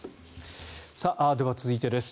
では続いてです。